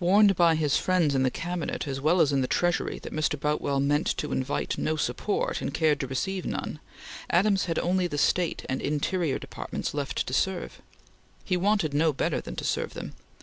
Warned by his friends in the Cabinet as well as in the Treasury that Mr. Boutwell meant to invite no support, and cared to receive none, Adams had only the State and Interior Departments left to serve. He wanted no better than to serve them.